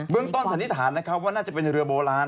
เบื้องต้นสันนิษฐานว่าน่าจะเป็นเรือโบราณ